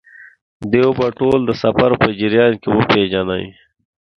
دوی به ټول د سفر په جریان کې وپېژنئ.